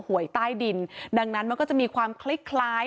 หวยใต้ดินดังนั้นมันก็จะมีความคล้ายคล้าย